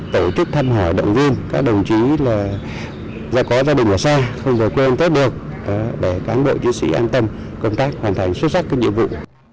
tổ chức thăm hỏi động viên các đồng chí là do có gia đình là xa không phải quên tết được để cán bộ chiến sĩ an tâm công tác hoàn thành xuất sắc các nhiệm vụ